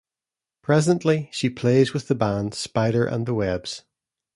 Presently, she plays with the band Spider and the Webs.